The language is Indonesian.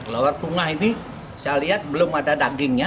lawar kelungah ini saya lihat belum ada dagingnya